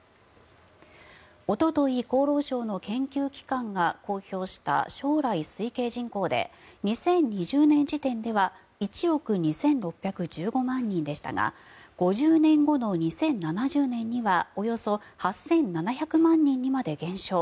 おととい厚労省の研究機関が公表した将来推計人口で２０２０年時点では１億２６１５万人でしたが５０年後の２０７０年にはおよそ８７００万人にまで減少。